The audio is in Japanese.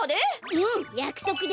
うんやくそくだ！